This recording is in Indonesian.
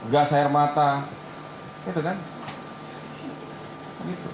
gas air matahari